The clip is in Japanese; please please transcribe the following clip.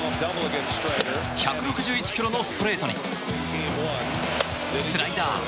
１６１キロのストレートにスライダー。